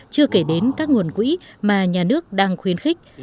chưa kể đến các nguồn quỹ mà nhà nước đang khuyến khích